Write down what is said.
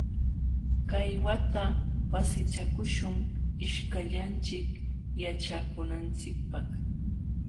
Kay wata wasichakuśhun ishkayllanchik yaćhakunanchikpaq.